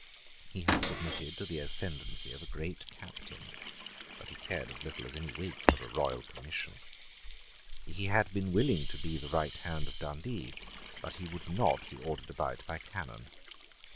He had submitted to the ascendancy of a great captain: but he cared as little as any Whig for a royal commission. He had been willing to be the right hand of Dundee: but he would not be ordered about by Cannon.